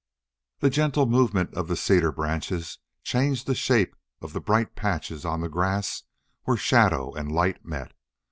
The gentle movement of the cedar branches changed the shape of the bright patches on the grass where shadow and light met.